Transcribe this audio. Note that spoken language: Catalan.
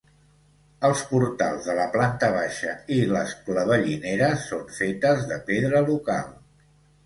Els portals de la planta baixa i les clavellineres són fetes de pedra local.